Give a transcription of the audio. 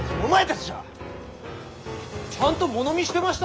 ちゃんと物見してました！